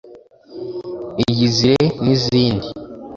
“Iyizire” n’izindi